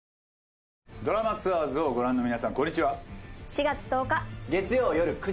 『ドラマツアーズ』をご覧の皆さんこんにちは。